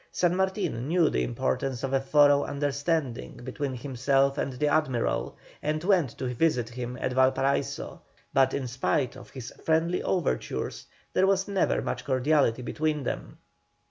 San Martin knew the importance of a thorough understanding between himself and the Admiral, and went to visit him at Valparaiso, but in spite of his friendly overtures there was never much cordiality between them.